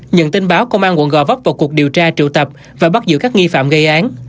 nhận tin báo công an quận gò vấp vào cuộc điều tra triệu tập và bắt giữ các nghi phạm gây án